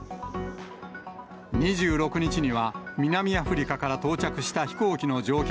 ２６日には南アフリカから到着した飛行機の乗客